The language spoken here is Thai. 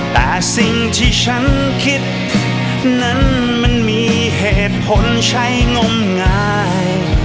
แต่สิ่งที่ฉันคิดนั้นมันมีเหตุผลใช้งมงาย